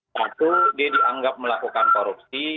satu dia dianggap melakukan korupsi